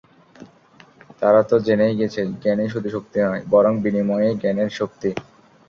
তারা তো জেনেই গেছে, জ্ঞানই শুধু শক্তি নয়, বরং বিনিময়েই জ্ঞানের শক্তি।